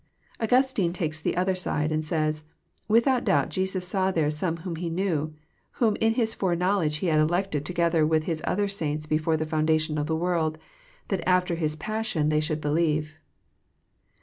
Augustine takes the other side, and says :<' Without doubt Jesus saw there some whom He knew, whom in His foreknowl edge He had elected together with His other saints before the foundation of the world, that after His passion they should believe."